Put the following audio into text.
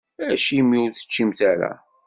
Acimi ur teččimt ara?